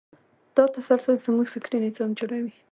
دا تسلسل زموږ فکري نظام جوړوي.